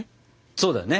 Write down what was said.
そうだね！